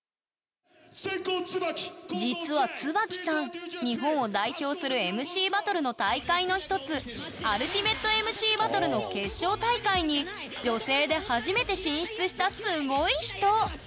実は椿さん日本を代表するＭＣバトルの大会の一つＵＬＴＩＭＡＴＥＭＣＢＡＴＴＬＥの決勝大会に女性で初めて進出したすごい人！